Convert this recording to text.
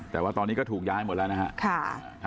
แต่ว่าตอนนี้ก็ถูกย้ายหมดแล้วนะฮะ